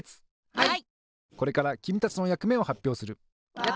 はい！